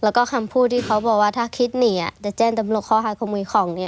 แล้วก็คำพูดที่เขาบอกว่าถ้าคิดหนีอ่ะจะเจนตำรวจข้อฆ่าขมุยของเนี้ย